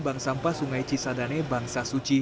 bank sampah sungai cisadane bangsa suci